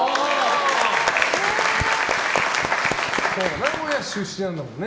名古屋出身なんだもんね。